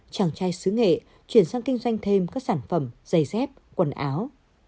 chàng trai xứ nghệ chuyển sang kinh doanh thêm các sản phẩm giày dép quần áo